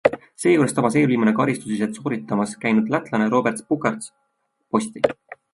Seejuures tabas eelviimasena karistusviset sooritamas käinud lätlane Roberts Bukarts posti.